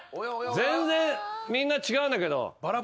全然みんな違うんだけど。